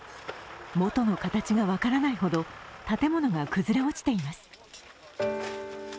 元の形が分からないほど、建物が崩れ落ちています。